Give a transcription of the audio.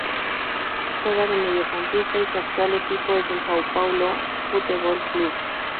Juega de mediocampista y su actual equipo es el São Paulo Futebol Clube.